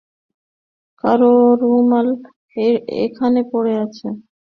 কার রুমাল এখানে পড়ে রয়েছে।